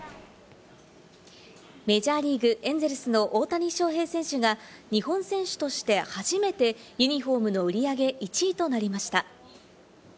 メジャーリーグ・エンゼルスの大谷翔平選手が日本選手として初めてユニホームの売り上げ１位となりました。